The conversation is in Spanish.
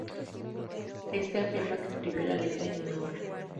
Éste afirma que escribió la letra en una hora.